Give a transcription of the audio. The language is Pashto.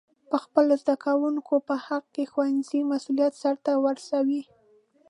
د خپلو زده کوونکو په حق کې ښوونیز مسؤلیت سرته ورسوي.